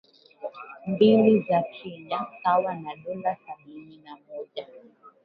mbili za Kenya sawa na dola sabini na moja